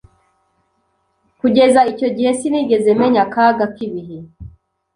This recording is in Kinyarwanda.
Kugeza icyo gihe sinigeze menya akaga k'ibihe.